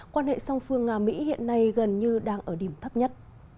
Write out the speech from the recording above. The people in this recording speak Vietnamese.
quan hệ song phương nga mỹ hiện nay gần như đang ở điểm thấp nhất